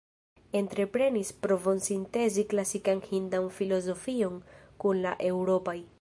Entreprenis provon sintezi klasikan hindan filozofion kun la eŭropa.